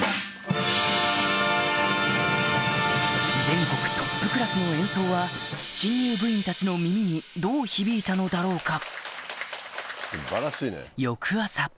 全国トップクラスの演奏は新入部員たちの耳にどう響いたのだろうか？